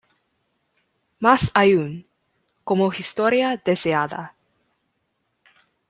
Más aún: como historia deseada.